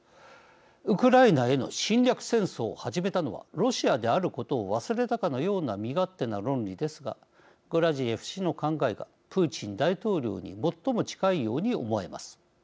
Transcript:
ウクライナへの侵略戦争を始めたのはロシアであることを忘れたかのような身勝手な論理ですがグラジエフ氏の考えがプーチン大統領に最も近いように思えます。